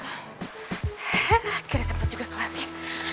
akhirnya dapet juga kelasnya